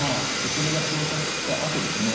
それが照射したあとですね